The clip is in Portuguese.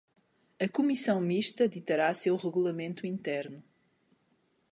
A Comissão Mista ditará seu regulamento interno.